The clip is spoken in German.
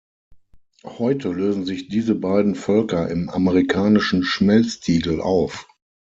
Heute lösen sich diese beiden Völker im amerikanischen Schmelztiegel auf.